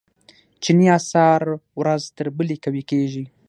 چیني اسعار ورځ تر بلې قوي کیږي.